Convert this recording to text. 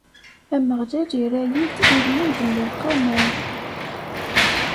Ameɣlal irra-yi-d ilmend n lewqama-w.